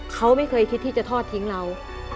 เขาไม่เคยคิดที่จะทอดทิ้งเรา